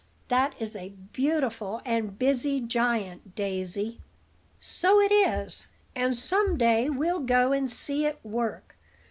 That is a beautiful and busy giant, Daisy." "So it is, and some day we'll go and see it work.